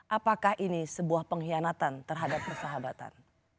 apakah ini sebuah pengkhianatan terhadap persahabatan